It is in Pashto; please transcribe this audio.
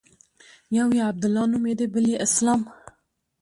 يو يې عبدالله نومېده بل يې اسلام.